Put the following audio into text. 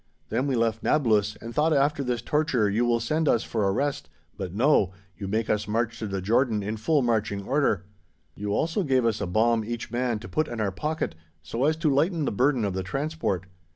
Then we left Nablus and thought after this torture you will send us for a rest, but no, you make us march to the Jordan in full marching order. You also gave us a bomb each man to put in our pocket so as to lighten the burden of the transport.